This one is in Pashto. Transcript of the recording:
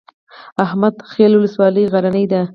احمد خیل ولسوالۍ غرنۍ ده؟